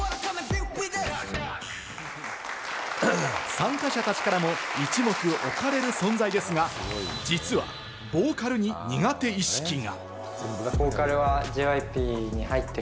参加者たちからも一目置かれる存在ですが、実はボーカルに苦手意識が。